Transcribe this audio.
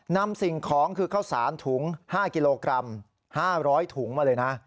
สิ่งของคือข้าวสารถุง๕กิโลกรัม๕๐๐ถุงมาเลยนะ